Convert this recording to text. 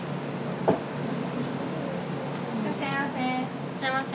いらっしゃいませ。